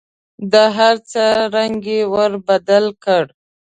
د هر څه رنګ یې ور بدل کړ .